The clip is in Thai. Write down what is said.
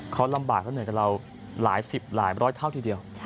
เขาลำบากแล้วเหนื่อยกับเราหลายสิบหลายร้อยเท่าทีเดียว